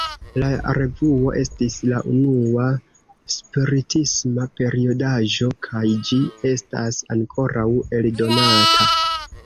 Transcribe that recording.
La revuo estis la unua spiritisma periodaĵo, kaj ĝi estas ankoraŭ eldonata.